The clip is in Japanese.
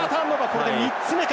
これで３つ目か。